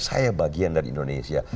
saya bagian dari indonesia